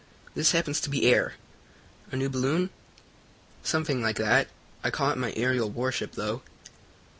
"This happens to be air." "A new balloon?" "Something like that. I call it my aerial warship, though."